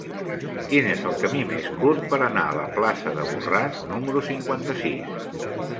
Quin és el camí més curt per anar a la plaça de Borràs número cinquanta-sis?